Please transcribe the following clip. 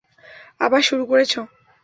আবার শুরু করেছে।